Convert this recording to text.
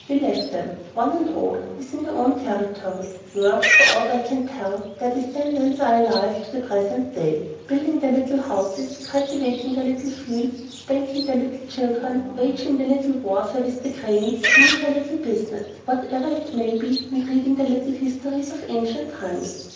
He left them, one and all, within their own territory, where, for aught I can tell, their descendants are alive to the present day, building their little houses, cultivating their little fields, spanking their little children, waging their little warfare with the cranes, doing their little business, whatever it may be, and reading their little histories of ancient times.